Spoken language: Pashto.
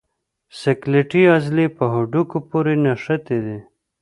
سکلیټي عضلې په هډوکو پورې نښتي دي.